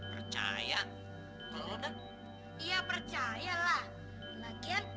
percaya iya percaya lah